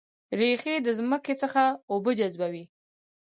ریښې د ځمکې څخه اوبه جذبوي